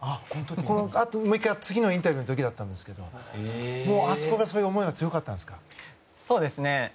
このあとにもう１回次のインタビューの時だったんですけどあそこはそういう思いが強かったんですか？